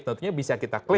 tentunya bisa kita claim